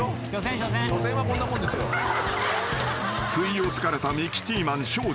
［不意を突かれたミキティーマン庄司］